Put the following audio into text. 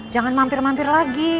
jangan mampir mampir lagi